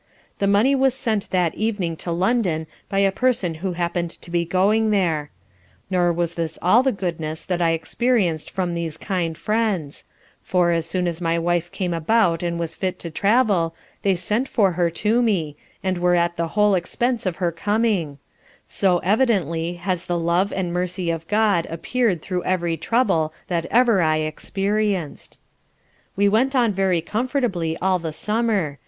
The money was sent that evening to London by a person who happen'd to be going there: nor was this All the goodness that I experienced from these kind friends, for, as soon as my wife came about and was fit to travel, they sent for her to me, and were at the whole expence of her coming; so evidently has the love and mercy of God appeared through every trouble that ever I experienced. We went on very comfortably all the summer.